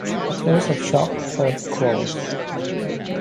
The toes have sharp, curved claws.